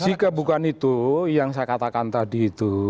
jika bukan itu yang saya katakan tadi itu